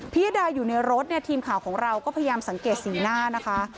พี่ยาดาอยู่ในรถทีมข่าวของเราก็พยายามสังเกตสิ่งหน้านะคะ